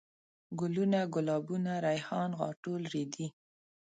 ګلوونه ،ګلابونه ،ريحان ،غاټول ،رېدی